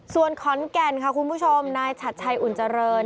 ส่วนขอนแก่นค่ะคุณผู้ชมนายชัดชัยอุ่นเจริญ